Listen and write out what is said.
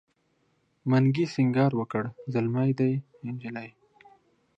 منګي سینګار وکړ زلمی دی نجلۍ